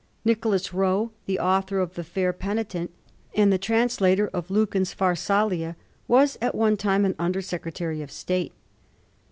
Nicholas Rowe, the author of the ' Fair Penitent ' and the translator of Lucan's ^ Pharsalia,' was at one time an Under Secretary of State.